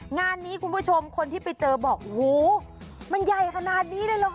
งานนี้คนที่ไปเจอบอกงูมันใหญ่ขนาดนี้เลยหรอคะ